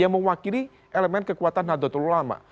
yang mewakili elemen kekuatan nahdlatul ulama